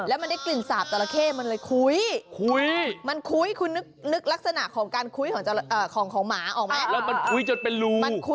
อันนี้เขาอุดไว้แล้วใช่ไหม